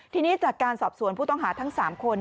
ทีนี้จากการสอบสวนผู้ต้องหาทั้ง๓คน